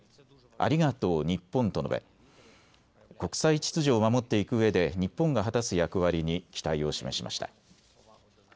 ありがとう、日本と述べ国際秩序を守っていくうえで日本が果たす役割に期待を示しました。